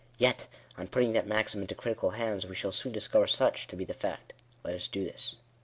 Yet, on putting that maxim into critical hands, we shall soon discover such to be the fact. Let us do this.